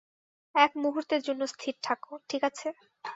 এক মুহুর্তের জন্য স্থির থাকো, ঠিক আছে?